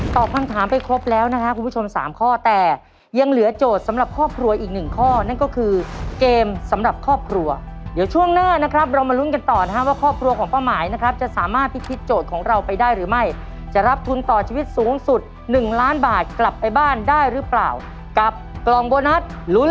คำถามไปครบแล้วนะครับคุณผู้ชมสามข้อแต่ยังเหลือโจทย์สำหรับครอบครัวอีกหนึ่งข้อนั่นก็คือเกมสำหรับครอบครัวเดี๋ยวช่วงหน้านะครับเรามาลุ้นกันต่อนะครับว่าครอบครัวของป้าหมายนะครับจะสามารถพิธีโจทย์ของเราไปได้หรือไม่จะรับทุนต่อชีวิตสูงสุดหนึ่งล้านบาทกลับไปบ้านได้หรือเปล่ากับกล่องโบนัสลุ้น